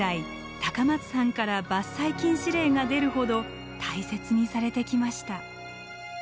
高松藩から伐採禁止令が出るほど大切にされてきました。